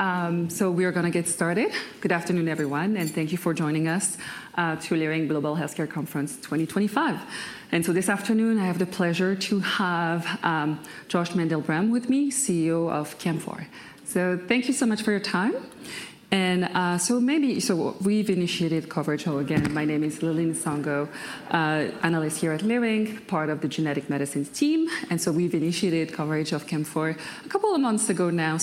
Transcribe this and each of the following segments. All right, we are going to get started. Good afternoon, everyone, and thank you for joining us to Leerink Global Healthcare Conference 2025. This afternoon, I have the pleasure to have Josh Mandel-Brehm with me, CEO of CAMP4. Thank you so much for your time. Maybe, we have initiated coverage. My name is Lili Nsongo, Analyst here at Leerink, part of the Genetic Medicines team. We have initiated coverage of CAMP4 a couple of months ago now.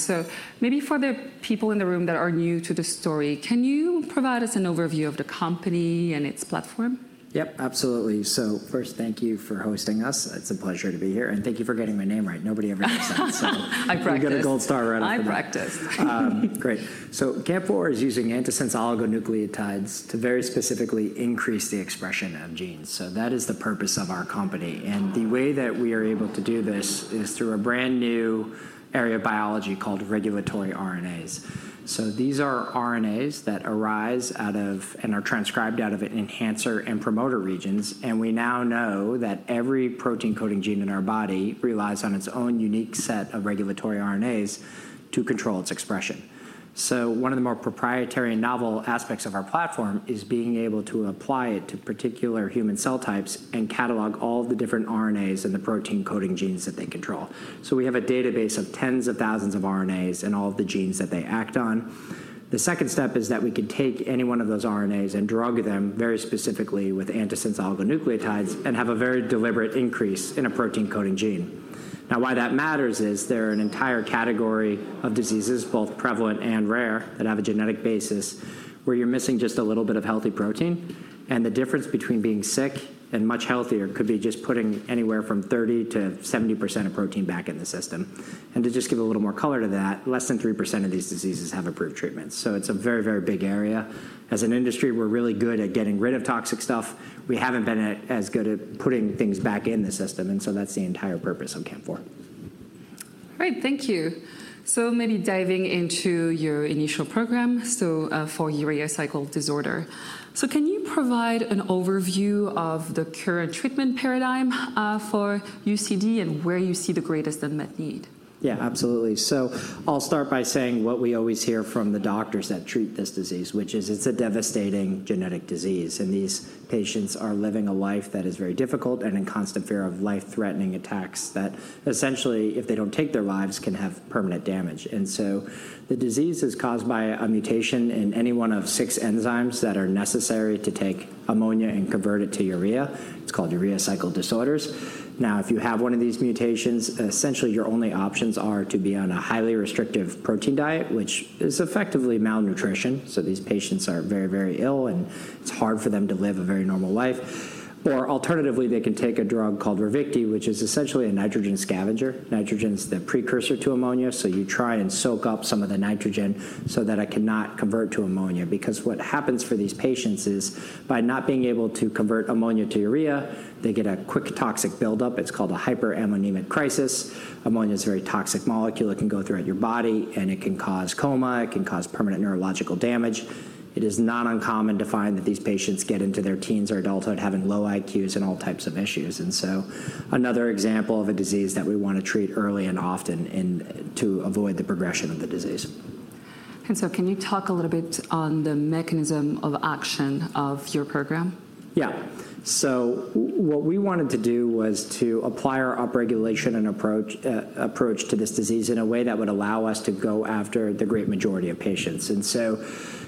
Maybe for the people in the room that are new to the story, can you provide us an overview of the company and its platform? Yep, absolutely. First, thank you for hosting us. It's a pleasure to be here. Thank you for getting my name right. Nobody ever gets that. I practiced. You got a gold star right off the bat. I practiced. Great. CAMP4 is using antisense oligonucleotides to very specifically increase the expression of genes. That is the purpose of our company. The way that we are able to do this is through a brand new area of biology called Regulatory RNAs. These are RNAs that arise out of and are transcribed out of enhancer and promoter regions. We now know that every protein-coding gene in our body relies on its own unique set of regulatory RNAs to control its expression. One of the more proprietary and novel aspects of our platform is being able to apply it to particular human cell types and catalog all the different RNAs and the protein-coding genes that they control. We have a database of tens of thousands of RNAs and all of the genes that they act on. The second step is that we can take any one of those RNAs and drug them very specifically with antisense oligonucleotides and have a very deliberate increase in a protein-coding gene. Now, why that matters is there are an entire category of diseases, both prevalent and rare, that have a genetic basis where you're missing just a little bit of healthy protein. The difference between being sick and much healthier could be just putting anywhere from 30%-70% of protein back in the system. To just give a little more color to that, less than 3% of these diseases have approved treatments. It is a very, very big area. As an industry, we're really good at getting rid of toxic stuff. We haven't been as good at putting things back in the system. That is the entire purpose of CAMP4. All right, thank you. Maybe diving into your initial program, for urea cycle disorder, can you provide an overview of the current treatment paradigm for UCD and where you see the greatest unmet need? Yeah, absolutely. I'll start by saying what we always hear from the doctors that treat this disease, which is it's a devastating genetic disease. These patients are living a life that is very difficult and in constant fear of life-threatening attacks that essentially, if they don't take their lives, can have permanent damage. The disease is caused by a mutation in any one of six enzymes that are necessary to take ammonia and convert it to urea. It's called urea cycle disorders. If you have one of these mutations, essentially, your only options are to be on a highly restrictive protein diet, which is effectively malnutrition. These patients are very, very ill, and it's hard for them to live a very normal life. Alternatively, they can take a drug called RAVICTI, which is essentially a nitrogen scavenger. Nitrogen is the precursor to ammonia. You try and soak up some of the nitrogen so that it cannot convert to ammonia. Because what happens for these patients is by not being able to convert ammonia to urea, they get a quick toxic buildup. It's called a hyperammonemic crisis. Ammonia is a very toxic molecule. It can go throughout your body, and it can cause coma. It can cause permanent neurological damage. It is not uncommon to find that these patients get into their teens or adulthood having low IQs and all types of issues. Another example of a disease that we want to treat early and often to avoid the progression of the disease. Can you talk a little bit on the mechanism of action of your program? Yeah. What we wanted to do was to apply our upregulation approach to this disease in a way that would allow us to go after the great majority of patients.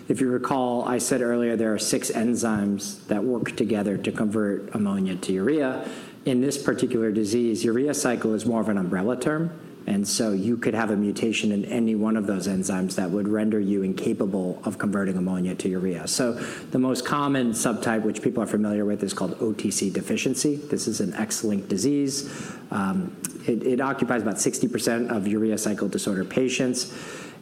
If you recall, I said earlier there are six enzymes that work together to convert ammonia to urea. In this particular disease, urea cycle is more of an umbrella term. You could have a mutation in any one of those enzymes that would render you incapable of converting ammonia to urea. The most common subtype, which people are familiar with, is called OTC deficiency. This is an X-linked disease. It occupies about 60% of urea cycle disorder patients.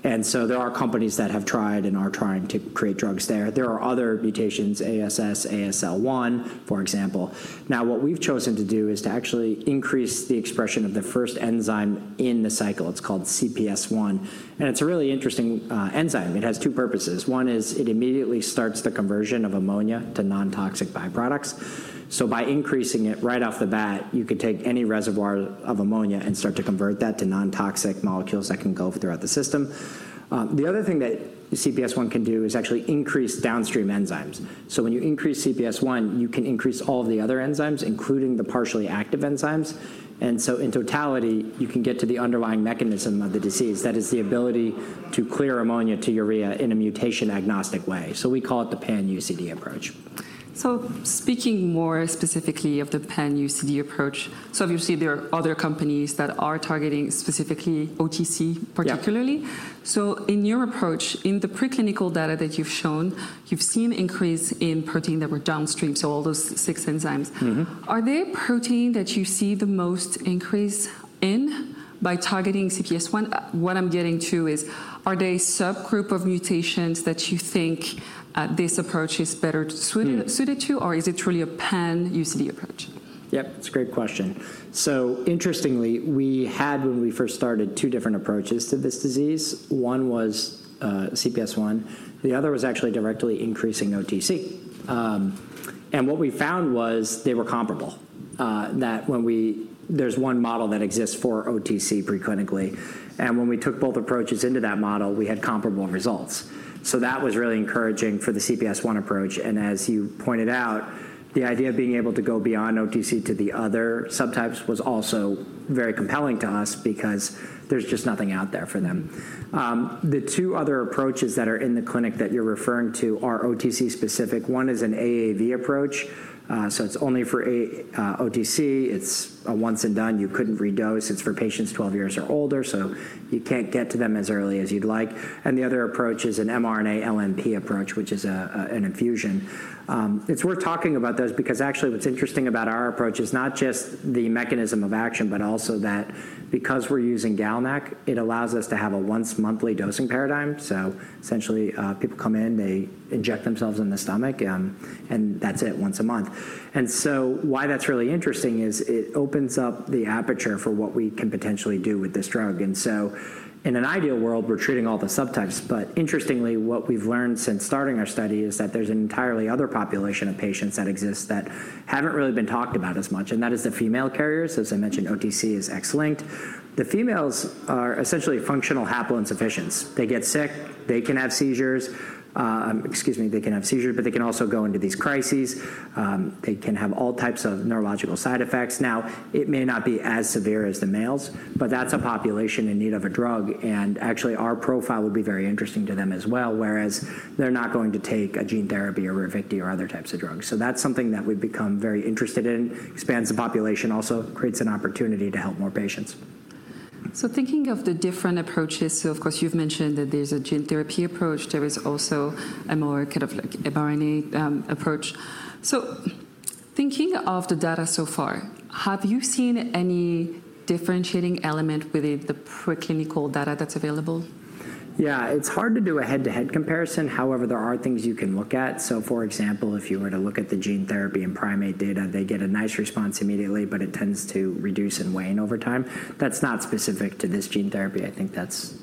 There are companies that have tried and are trying to create drugs there. There are other mutations, ASS, ASL1, for example. Now, what we've chosen to do is to actually increase the expression of the first enzyme in the cycle. It's called CPS1. And it's a really interesting enzyme. It has two purposes. One is it immediately starts the conversion of ammonia to non-toxic byproducts. So by increasing it right off the bat, you could take any reservoir of ammonia and start to convert that to non-toxic molecules that can go throughout the system. The other thing that CPS1 can do is actually increase downstream enzymes. So when you increase CPS1, you can increase all of the other enzymes, including the partially active enzymes. In totality, you can get to the underlying mechanism of the disease. That is the ability to clear ammonia to urea in a mutation-agnostic way. We call it the pan-UCD approach. Speaking more specifically of the pan-UCD approach, obviously, there are other companies that are targeting specifically OTC, particularly. In your approach, in the preclinical data that you've shown, you've seen increase in protein that were downstream, so all those six enzymes. Are there proteins that you see the most increase in by targeting CPS1? What I'm getting to is, are there subgroups of mutations that you think this approach is better suited to, or is it truly a pan-UCD approach? Yep, that's a great question. Interestingly, we had, when we first started, two different approaches to this disease. One was CPS1. The other was actually directly increasing OTC. What we found was they were comparable. There is one model that exists for OTC preclinically. When we took both approaches into that model, we had comparable results. That was really encouraging for the CPS1 approach. As you pointed out, the idea of being able to go beyond OTC to the other subtypes was also very compelling to us because there's just nothing out there for them. The two other approaches that are in the clinic that you're referring to are OTC-specific. One is an AAV approach. It's only for OTC. It's a once and done. You couldn't redose. It's for patients 12 years or older. You can't get to them as early as you'd like. The other approach is an mRNA-LNP approach, which is an infusion. It's worth talking about those because actually, what's interesting about our approach is not just the mechanism of action, but also that because we're using GalNAc, it allows us to have a once-monthly dosing paradigm. Essentially, people come in, they inject themselves in the stomach, and that's it once a month. Why that's really interesting is it opens up the aperture for what we can potentially do with this drug. In an ideal world, we're treating all the subtypes. Interestingly, what we've learned since starting our study is that there's an entirely other population of patients that exists that haven't really been talked about as much. That is the female carriers. As I mentioned, OTC is X-linked. The females are essentially functional haploinsufficients. They get sick. They can have seizures. Excuse me. They can have seizures, but they can also go into these crises. They can have all types of neurological side effects. Now, it may not be as severe as the males, but that's a population in need of a drug. Actually, our profile would be very interesting to them as well, whereas they're not going to take a gene therapy or RAVICTI or other types of drugs. That is something that we've become very interested in. Expands the population also, creates an opportunity to help more patients. Thinking of the different approaches, of course, you've mentioned that there's a gene therapy approach. There is also a more kind of mRNA approach. Thinking of the data so far, have you seen any differentiating element within the preclinical data that's available? Yeah, it's hard to do a head-to-head comparison. However, there are things you can look at. For example, if you were to look at the gene therapy in primate data, they get a nice response immediately, but it tends to reduce and wane over time. That's not specific to this gene therapy. I think that's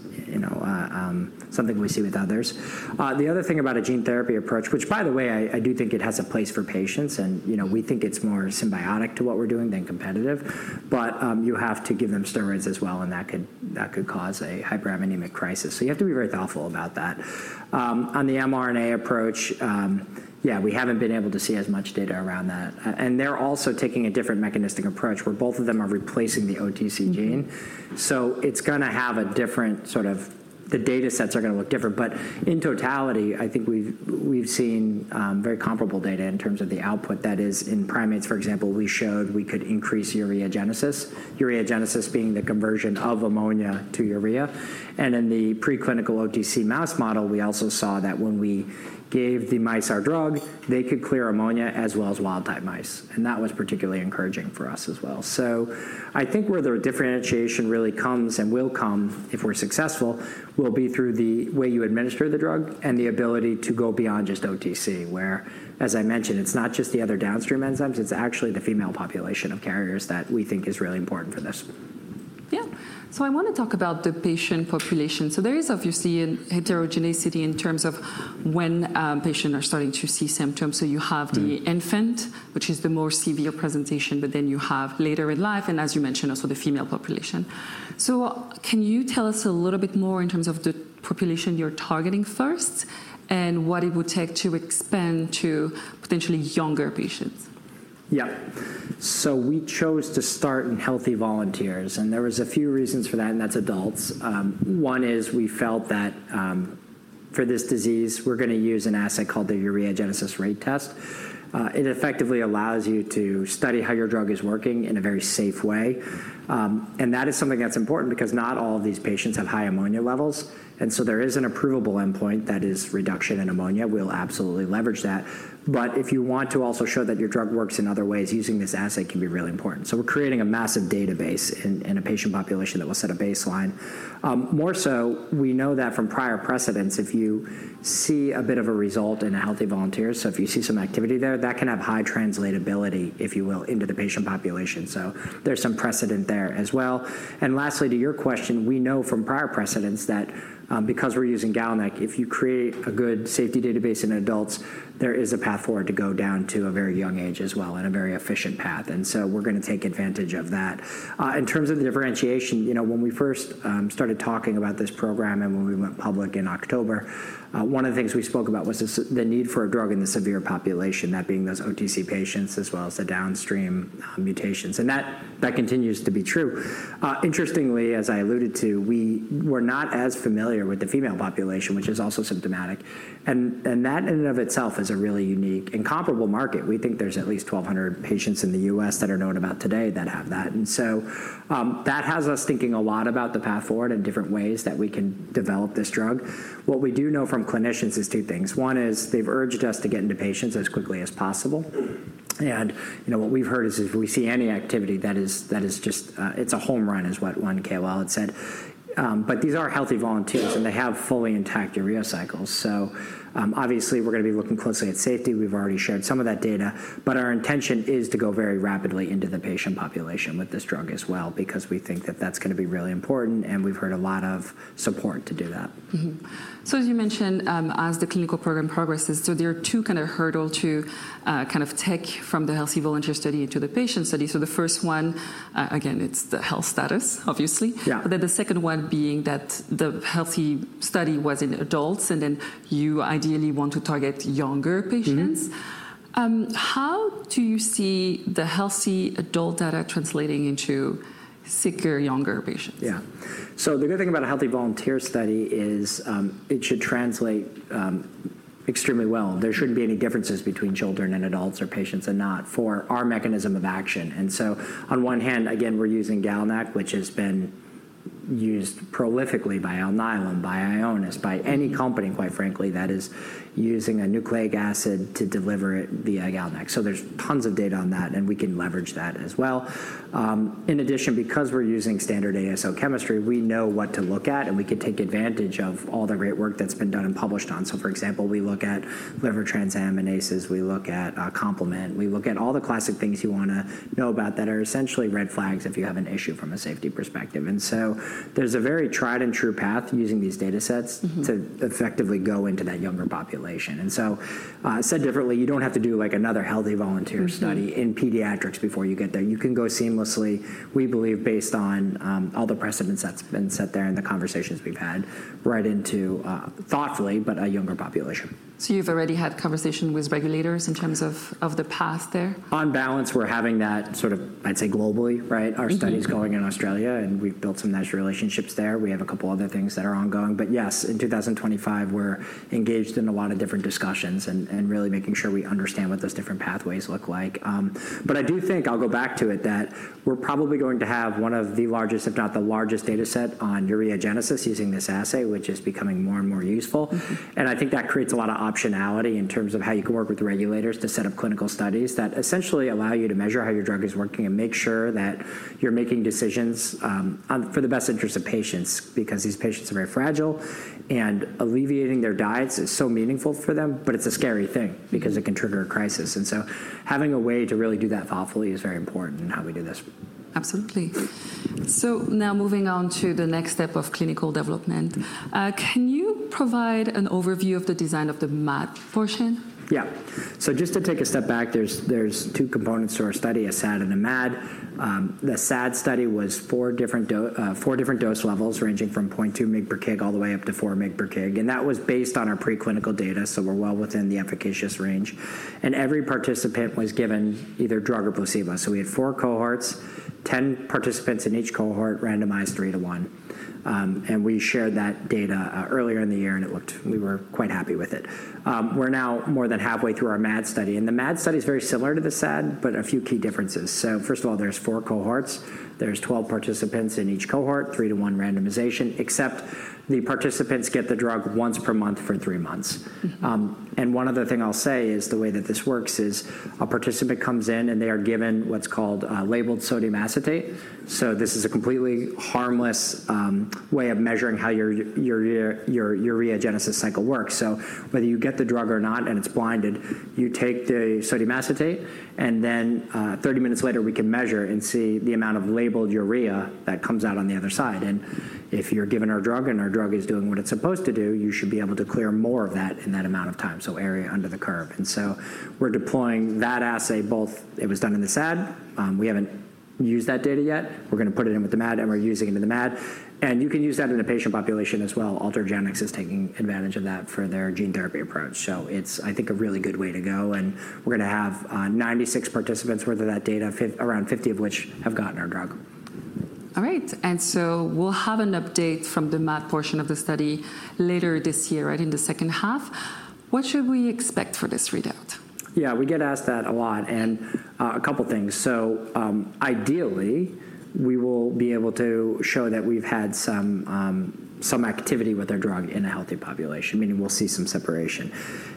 something we see with others. The other thing about a gene therapy approach, which, by the way, I do think it has a place for patients. We think it's more symbiotic to what we're doing than competitive. You have to give them steroids as well, and that could cause a hyperammonemic crisis. You have to be very thoughtful about that. On the mRNA approach, yeah, we haven't been able to see as much data around that. They're also taking a different mechanistic approach where both of them are replacing the OTC gene. It's going to have a different sort of the data sets are going to look different. In totality, I think we've seen very comparable data in terms of the output. That is, in primates, for example, we showed we could increase ureagenesis, ureagenesis being the conversion of ammonia to urea. In the preclinical OTC mouse model, we also saw that when we gave the mice our drug, they could clear ammonia as well as wild-type mice. That was particularly encouraging for us as well. I think where the differentiation really comes and will come, if we're successful, will be through the way you administer the drug and the ability to go beyond just OTC, where, as I mentioned, it's not just the other downstream enzymes. It's actually the female population of carriers that we think is really important for this. Yeah. I want to talk about the patient population. There is, obviously, heterogeneity in terms of when patients are starting to see symptoms. You have the infant, which is the more severe presentation, but then you have later in life, and as you mentioned, also the female population. Can you tell us a little bit more in terms of the population you're targeting first and what it would take to expand to potentially younger patients? Yeah. We chose to start in healthy volunteers. There were a few reasons for that, and that's adults. One is we felt that for this disease, we're going to use an assay called the ureagenesis rate test. It effectively allows you to study how your drug is working in a very safe way. That is something that's important because not all of these patients have high ammonia levels. There is an approvable endpoint that is reduction in ammonia. We'll absolutely leverage that. If you want to also show that your drug works in other ways, using this assay can be really important. We're creating a massive database in a patient population that will set a baseline. More so, we know that from prior precedents, if you see a bit of a result in a healthy volunteer, so if you see some activity there, that can have high translatability, if you will, into the patient population. There is some precedent there as well. Lastly, to your question, we know from prior precedents that because we're using GalNAc, if you create a good safety database in adults, there is a path forward to go down to a very young age as well and a very efficient path. We are going to take advantage of that. In terms of the differentiation, when we first started talking about this program and when we went public in October, one of the things we spoke about was the need for a drug in the severe population, that being those OTC patients as well as the downstream mutations. That continues to be true. Interestingly, as I alluded to, we were not as familiar with the female population, which is also symptomatic. That in and of itself is a really unique and comparable market. We think there are at least 1,200 patients in the U.S. that are known about today that have that. That has us thinking a lot about the path forward in different ways that we can develop this drug. What we do know from clinicians is two things. One is they've urged us to get into patients as quickly as possible. What we've heard is if we see any activity, that is just, it's a home run, is what one KOL had said. These are healthy volunteers, and they have fully intact urea cycles. Obviously, we're going to be looking closely at safety. We've already shared some of that data. Our intention is to go very rapidly into the patient population with this drug as well because we think that that's going to be really important. We've heard a lot of support to do that. As you mentioned, as the clinical program progresses, there are two kind of hurdles to kind of take from the healthy volunteer study into the patient study. The first one, again, is the health status, obviously. Then the second one being that the healthy study was in adults, and you ideally want to target younger patients. How do you see the healthy adult data translating into sicker younger patients? Yeah. The good thing about a healthy volunteer study is it should translate extremely well. There shouldn't be any differences between children and adults or patients and not for our mechanism of action. On one hand, again, we're using GalNAc, which has been used prolifically by Alnylam, by Ionis, by any company, quite frankly, that is using a nucleic acid to deliver it via GalNAc. There's tons of data on that, and we can leverage that as well. In addition, because we're using standard ASO chemistry, we know what to look at, and we can take advantage of all the great work that's been done and published on. For example, we look at liver transaminases. We look at complement. We look at all the classic things you want to know about that are essentially red flags if you have an issue from a safety perspective. There is a very tried-and-true path using these data sets to effectively go into that younger population. Said differently, you do not have to do like another healthy volunteer study in pediatrics before you get there. You can go seamlessly, we believe, based on all the precedents that have been set there and the conversations we have had, right into, thoughtfully, but a younger population. You've already had conversations with regulators in terms of the path there? On balance, we're having that sort of, I'd say, globally, right? Our study is going in Australia, and we've built some nice relationships there. We have a couple of other things that are ongoing. Yes, in 2025, we're engaged in a lot of different discussions and really making sure we understand what those different pathways look like. I do think, I'll go back to it, that we're probably going to have one of the largest, if not the largest data set on ureagenesis using this assay, which is becoming more and more useful. I think that creates a lot of optionality in terms of how you can work with regulators to set up clinical studies that essentially allow you to measure how your drug is working and make sure that you're making decisions for the best interest of patients because these patients are very fragile. Alleviating their diets is so meaningful for them, but it's a scary thing because it can trigger a crisis. Having a way to really do that thoughtfully is very important in how we do this. Absolutely. Now moving on to the next step of clinical development. Can you provide an overview of the design of the MAD portion? Yeah. Just to take a step back, there's two components to our study: a SAD and a MAD. The SAD study was four different dose levels ranging from 0.2 mg/kg all the way up to 4 mg/kg. That was based on our preclinical data, so we're well within the efficacious range. Every participant was given either drug or placebo. We had four cohorts, 10 participants in each cohort, randomized 3:1. We shared that data earlier in the year, and we were quite happy with it. We're now more than halfway through our MAD study. The MAD study is very similar to the SAD, but a few key differences. First of all, there's four cohorts. There's 12 participants in each cohort, 3:1 randomization, except the participants get the drug once per month for three months. One other thing I'll say is the way that this works is a participant comes in, and they are given what's called labeled sodium acetate. This is a completely harmless way of measuring how your ureagenesis cycle works. Whether you get the drug or not, and it's blinded, you take the sodium acetate, and then 30 minutes later, we can measure and see the amount of labeled urea that comes out on the other side. If you're given our drug and our drug is doing what it's supposed to do, you should be able to clear more of that in that amount of time, so area under the curve. We're deploying that assay both it was done in the SAD. We haven't used that data yet. We're going to put it in with the MAD, and we're using it in the MAD. You can use that in the patient population as well. Ultragenyx is taking advantage of that for their gene therapy approach. I think it's a really good way to go. We're going to have 96 participants worth of that data, around 50 of which have gotten our drug. All right. We'll have an update from the MAD portion of the study later this year, right in the second half. What should we expect for this readout? Yeah, we get asked that a lot. A couple of things. Ideally, we will be able to show that we've had some activity with our drug in a healthy population, meaning we'll see some separation.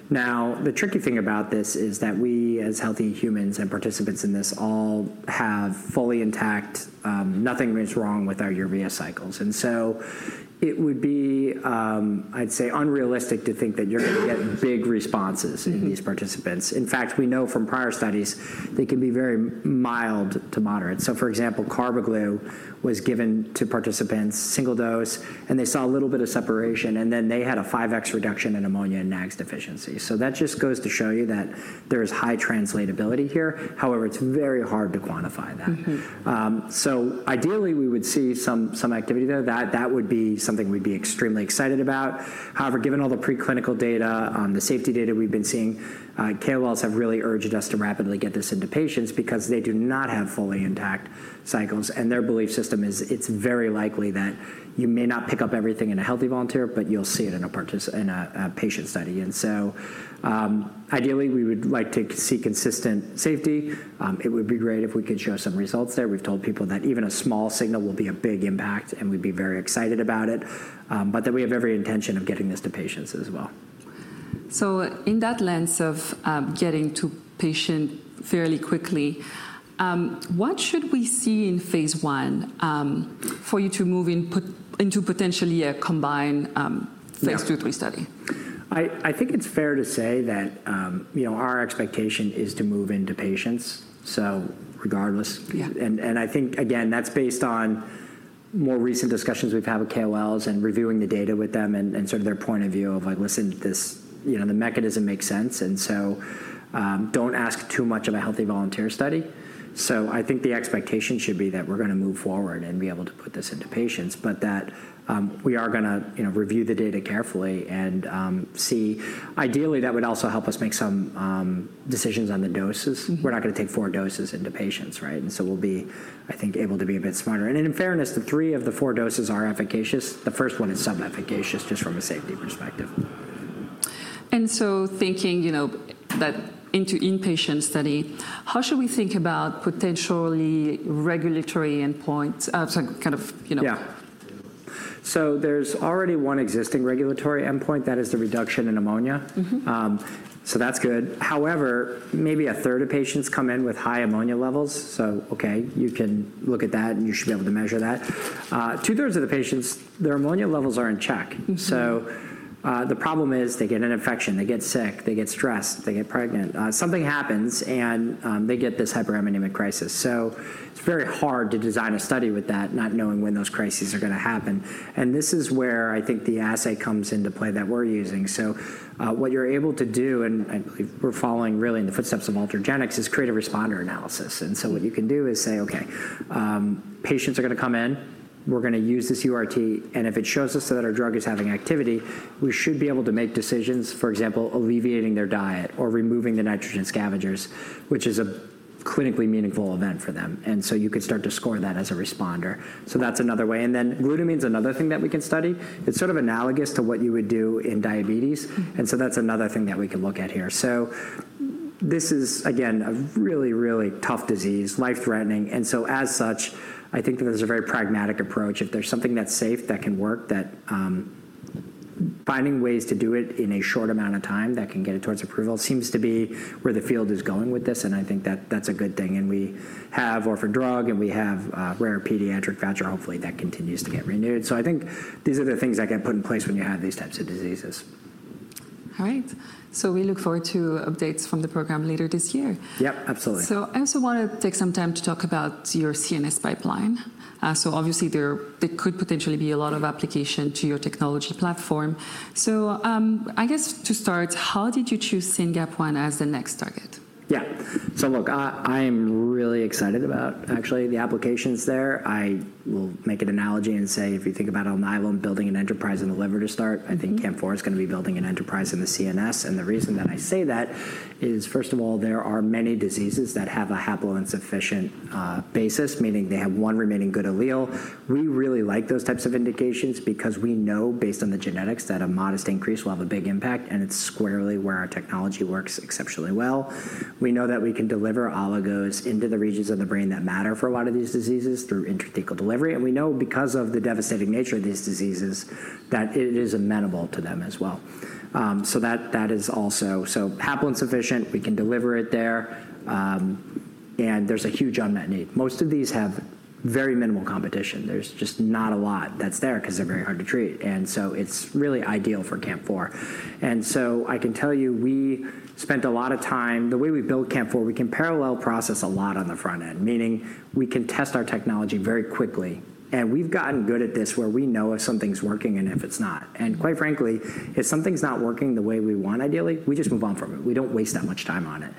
The tricky thing about this is that we, as healthy humans and participants in this, all have fully intact, nothing is wrong with our urea cycles. It would be, I'd say, unrealistic to think that you're going to get big responses in these participants. In fact, we know from prior studies they can be very mild to moderate. For example, CARBAGLU was given to participants, single dose, and they saw a little bit of separation. They had a 5x reduction in ammonia in NAGS deficiency. That just goes to show you that there is high translatability here. However, it's very hard to quantify that. Ideally, we would see some activity there. That would be something we'd be extremely excited about. However, given all the preclinical data, the safety data we've been seeing, KOLs have really urged us to rapidly get this into patients because they do not have fully intact cycles. Their belief system is it's very likely that you may not pick up everything in a healthy volunteer, but you'll see it in a patient study. Ideally, we would like to see consistent safety. It would be great if we could show some results there. We've told people that even a small signal will be a big impact, and we'd be very excited about it. We have every intention of getting this to patients as well. In that lens of getting to patient fairly quickly, what should we see in phase one for you to move into potentially a combined phase two, three study? I think it's fair to say that our expectation is to move into patients, so regardless. I think, again, that's based on more recent discussions we've had with KOLs and reviewing the data with them and sort of their point of view of like, listen, the mechanism makes sense. Don't ask too much of a healthy volunteer study. I think the expectation should be that we're going to move forward and be able to put this into patients, but that we are going to review the data carefully and see. Ideally, that would also help us make some decisions on the doses. We're not going to take four doses into patients, right? We'll be, I think, able to be a bit smarter. In fairness, three of the four doses are efficacious. The first one is sub-efficacious just from a safety perspective. Thinking that into inpatient study, how should we think about potentially regulatory endpoints? So kind of. Yeah. There is already one existing regulatory endpoint. That is the reduction in ammonia. That is good. However, maybe a third of patients come in with high ammonia levels. OK, you can look at that, and you should be able to measure that. Two-thirds of the patients, their ammonia levels are in check. The problem is they get an infection. They get sick. They get stressed. They get pregnant. Something happens, and they get this hyperammonemic crisis. It is very hard to design a study with that, not knowing when those crises are going to happen. This is where I think the assay comes into play that we are using. What you are able to do, and I believe we are following really in the footsteps of Ultragenyx, is create a responder analysis. What you can do is say, OK, patients are going to come in. We're going to use this URT. If it shows us that our drug is having activity, we should be able to make decisions, for example, alleviating their diet or removing the nitrogen scavengers, which is a clinically meaningful event for them. You could start to score that as a responder. That's another way. Glutamine is another thing that we can study. It's sort of analogous to what you would do in diabetes. That's another thing that we can look at here. This is, again, a really, really tough disease, life-threatening. As such, I think that there's a very pragmatic approach. If there's something that's safe that can work, finding ways to do it in a short amount of time that can get it towards approval seems to be where the field is going with this. I think that that's a good thing. We have orphan drug, and we have rare pediatric voucher, hopefully, that continues to get renewed. I think these are the things that get put in place when you have these types of diseases. All right. We look forward to updates from the program later this year. Yep, absolutely. I also want to take some time to talk about your CNS pipeline. Obviously, there could potentially be a lot of application to your technology platform. I guess to start, how did you choose SYNGAP1 as the next target? Yeah. Look, I am really excited about actually the applications there. I will make an analogy and say, if you think about Alnylam building an enterprise in the liver to start, I think CAMP4 is going to be building an enterprise in the CNS. The reason that I say that is, first of all, there are many diseases that have a haploinsufficient basis, meaning they have one remaining good allele. We really like those types of indications because we know, based on the genetics, that a modest increase will have a big impact. It's squarely where our technology works exceptionally well. We know that we can deliver oligos into the regions of the brain that matter for a lot of these diseases through intrathecal delivery. We know, because of the devastating nature of these diseases, that it is amenable to them as well. That is also so haploinsufficient, we can deliver it there. There's a huge unmet need. Most of these have very minimal competition. There's just not a lot that's there because they're very hard to treat. It's really ideal for CAMP4. I can tell you, we spent a lot of time the way we built CAMP4, we can parallel process a lot on the front end, meaning we can test our technology very quickly. We've gotten good at this where we know if something's working and if it's not. Quite frankly, if something's not working the way we want, ideally, we just move on from it. We don't waste that much time on it.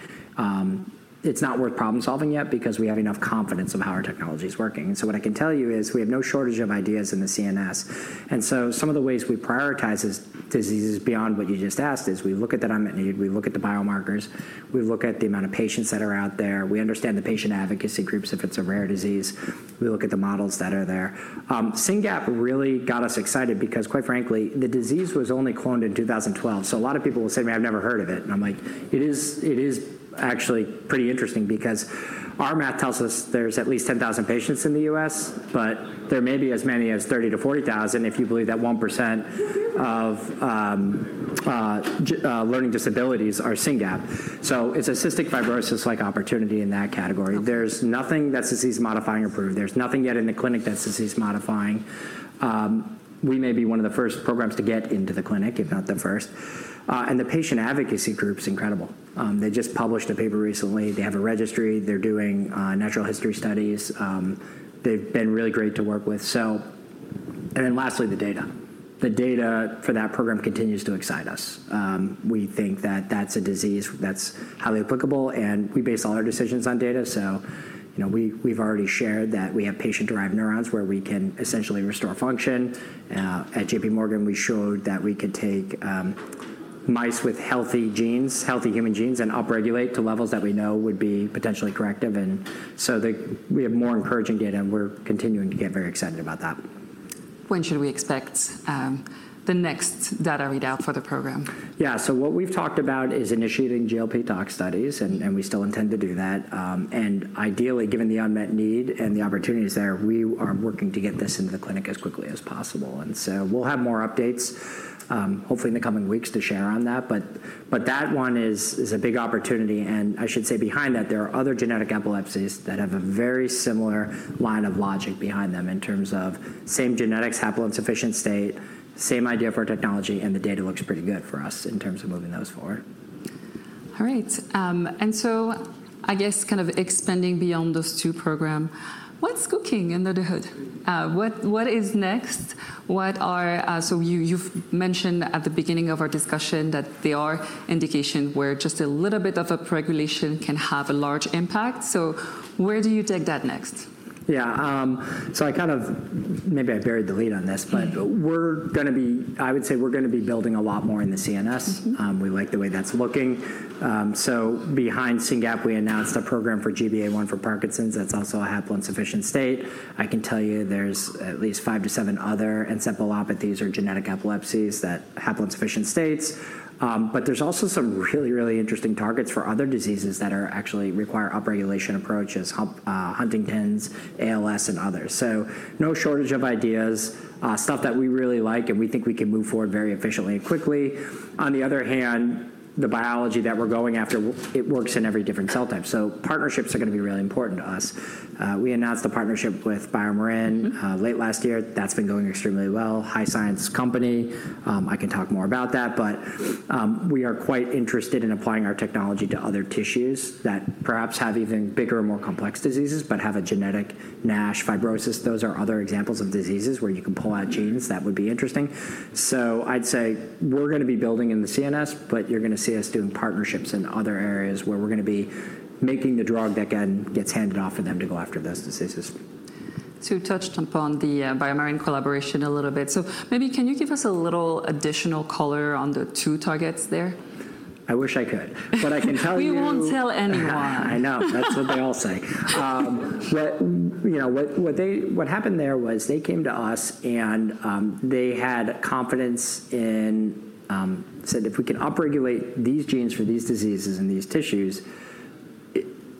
It's not worth problem-solving yet because we have enough confidence of how our technology is working. What I can tell you is we have no shortage of ideas in the CNS. Some of the ways we prioritize diseases beyond what you just asked is we look at the unmet need. We look at the biomarkers. We look at the amount of patients that are out there. We understand the patient advocacy groups if it's a rare disease. We look at the models that are there. SYNGAP really got us excited because, quite frankly, the disease was only cloned in 2012. A lot of people will say to me, I've never heard of it. I'm like, it is actually pretty interesting because our math tells us there's at least 10,000 patients in the U.S., but there may be as many as 30,000-40,000 if you believe that 1% of learning disabilities are SYNGAP. It's a cystic fibrosis-like opportunity in that category. There's nothing that's disease-modifying or proven. There's nothing yet in the clinic that's disease-modifying. We may be one of the first programs to get into the clinic, if not the first. The patient advocacy group is incredible. They just published a paper recently. They have a registry. They're doing natural history studies. They've been really great to work with. Lastly, the data. The data for that program continues to excite us. We think that that's a disease that's highly applicable. We base all our decisions on data. We've already shared that we have patient-derived neurons where we can essentially restore function. At JPMorgan, we showed that we could take mice with healthy genes, healthy human genes, and upregulate to levels that we know would be potentially corrective. We have more encouraging data, and we're continuing to get very excited about that. When should we expect the next data readout for the program? Yeah. What we've talked about is initiating GLP tox studies, and we still intend to do that. Ideally, given the unmet need and the opportunities there, we are working to get this into the clinic as quickly as possible. We'll have more updates, hopefully in the coming weeks, to share on that. That one is a big opportunity. I should say behind that, there are other genetic epilepsies that have a very similar line of logic behind them in terms of same genetics, haploinsufficient state, same idea for technology. The data looks pretty good for us in terms of moving those forward. All right. I guess kind of expanding beyond those two programs, what's cooking in the hood? What is next? You mentioned at the beginning of our discussion that there are indications where just a little bit of upregulation can have a large impact. Where do you take that next? Yeah. I kind of maybe I buried the lead on this, but we're going to be, I would say, we're going to be building a lot more in the CNS. We like the way that's looking. Behind SYNGAP, we announced a program for GBA1 for Parkinson's. That's also a haploinsufficient state. I can tell you there's at least five to seven other encephalopathies or genetic epilepsies that are haploinsufficient states. There's also some really, really interesting targets for other diseases that actually require upregulation approaches, Huntington's, ALS, and others. No shortage of ideas, stuff that we really like, and we think we can move forward very efficiently and quickly. On the other hand, the biology that we're going after works in every different cell type. Partnerships are going to be really important to us. We announced a partnership with BioMarin late last year. That's been going extremely well. High science company. I can talk more about that. We are quite interested in applying our technology to other tissues that perhaps have even bigger, more complex diseases but have a genetic NASH, fibrosis. Those are other examples of diseases where you can pull out genes. That would be interesting. I'd say we're going to be building in the CNS, but you're going to see us doing partnerships in other areas where we're going to be making the drug that gets handed off for them to go after those diseases. You touched upon the BioMarin collaboration a little bit. Maybe can you give us a little additional color on the two targets there? I wish I could. I can tell you. We won't tell anyone. I know. That's what they all say. What happened there was they came to us, and they had confidence and said, if we can upregulate these genes for these diseases in these tissues,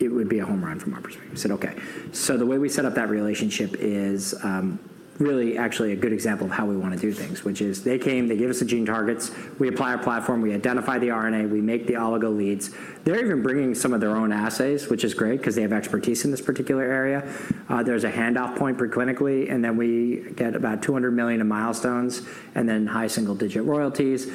it would be a home run from our perspective. We said, OK. The way we set up that relationship is really actually a good example of how we want to do things, which is they came, they gave us the gene targets. We apply our platform. We identify the RNA. We make the oligo leads. They're even bringing some of their own assays, which is great because they have expertise in this particular area. There's a handoff point preclinically. We get about $200 million in milestones and then high single-digit royalties.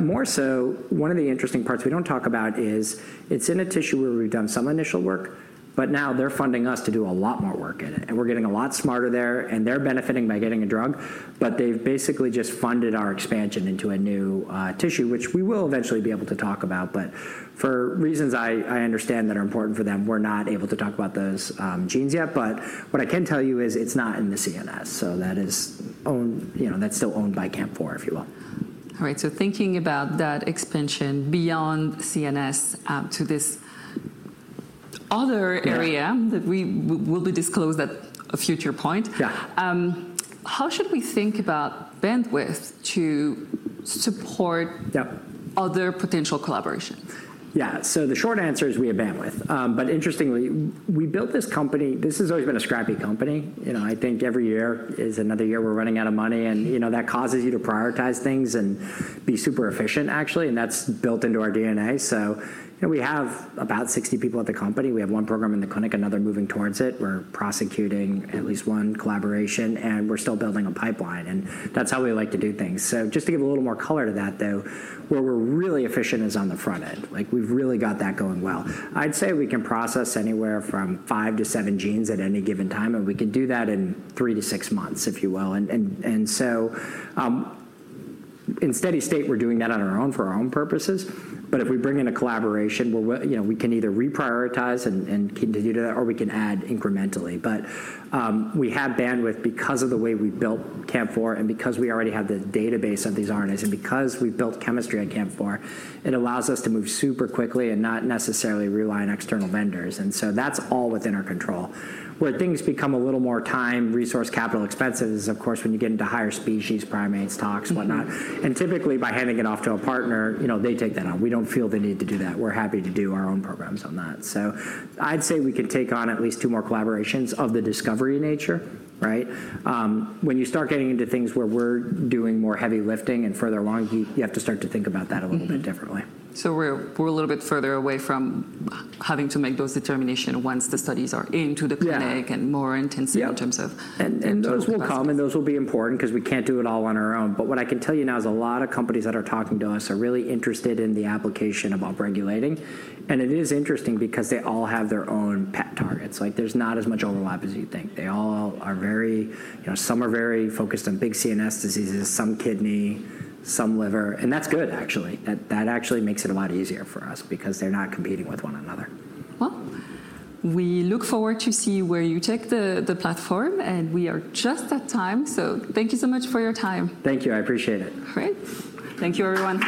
More so, one of the interesting parts we don't talk about is it's in a tissue where we've done some initial work, but now they're funding us to do a lot more work in it. We're getting a lot smarter there. They're benefiting by getting a drug. They've basically just funded our expansion into a new tissue, which we will eventually be able to talk about. For reasons I understand that are important for them, we're not able to talk about those genes yet. What I can tell you is it's not in the CNS. That is still owned by CAMP4, if you will. All right. Thinking about that expansion beyond CNS to this other area that will be disclosed at a future point, how should we think about bandwidth to support other potential collaborations? Yeah. The short answer is we have bandwidth. Interestingly, we built this company. This has always been a scrappy company. I think every year is another year we're running out of money. That causes you to prioritize things and be super efficient, actually. That's built into our DNA. We have about 60 people at the company. We have one program in the clinic, another moving towards it. We're prosecuting at least one collaboration. We're still building a pipeline. That's how we like to do things. Just to give a little more color to that, though, where we're really efficient is on the front end. We've really got that going well. I'd say we can process anywhere from five to seven genes at any given time. We can do that in three to six months, if you will. In steady state, we're doing that on our own for our own purposes. If we bring in a collaboration, we can either reprioritize and continue to do that, or we can add incrementally. We have bandwidth because of the way we built CAMP4 and because we already have the database of these RNAs and because we've built chemistry at CAMP4. It allows us to move super quickly and not necessarily rely on external vendors. That's all within our control. Where things become a little more time, resource, capital expensive is, of course, when you get into higher species, primates, tox, whatnot. Typically, by handing it off to a partner, they take that on. We don't feel the need to do that. We're happy to do our own programs on that. I'd say we could take on at least two more collaborations of the discovery nature. When you start getting into things where we're doing more heavy lifting and further along, you have to start to think about that a little bit differently. We're a little bit further away from having to make those determinations once the studies are into the clinic and more intensive in terms of. Those will come. Those will be important because we can't do it all on our own. What I can tell you now is a lot of companies that are talking to us are really interested in the application of upregulating. It is interesting because they all have their own pet targets. There's not as much overlap as you'd think. Some are very focused on big CNS diseases, some kidney, some liver. That's good, actually. That actually makes it a lot easier for us because they're not competing with one another. We look forward to see where you take the platform. We are just at time. Thank you so much for your time. Thank you. I appreciate it. All right. Thank you, everyone.